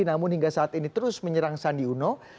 namun hingga saat ini terus menyerang sandi uno